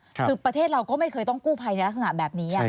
คือประเทศเราก็ไม่เคยต้องกู้ภัยในลักษณะแบบนี้